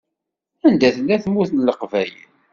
Anda tella Tmurt n Leqbayel?